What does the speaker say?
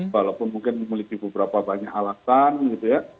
walaupun mungkin memiliki beberapa banyak alasan gitu ya